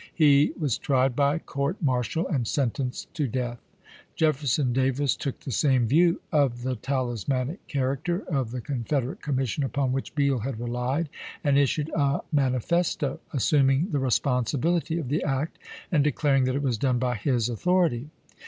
He was tried by court martial and sentenced to death. Jefferson Davis took the same ^dew of the tal ismanic character of the Confederate commission upon which Beall had relied, and issued a mani festo, assuming the responsibility of the act, and declaring that it was done by his authority.